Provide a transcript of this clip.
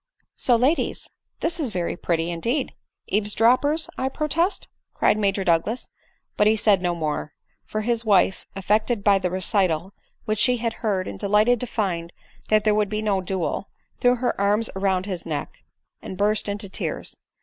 " So, ladies ! this is very pretty, indeed ! Eaves drop pers, I protest," cried Major Douglass ; but he said no more ; for his wife, affected by the recital which she had heard, and delighted to find that there would be no duel, threw her arms round his neck, and burst into tears.